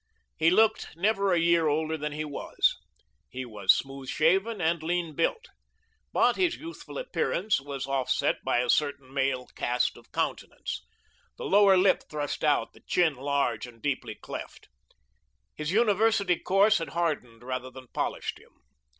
He looked never a year older than he was. He was smooth shaven and lean built. But his youthful appearance was offset by a certain male cast of countenance, the lower lip thrust out, the chin large and deeply cleft. His university course had hardened rather than polished him.